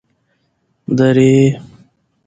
درې